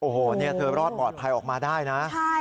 โอ้โหเธอรอดปลอดภัยออกมาได้นะ